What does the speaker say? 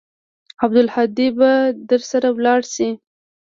عبدالهادي به درسره ولاړ سي.